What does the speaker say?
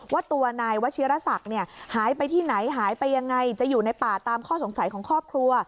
ว่าตัวนายวัชิรษักหายไปที่ไหนหายไปยังไงจะอยู่ในป่าตามข้อสงสัยของครอบครัว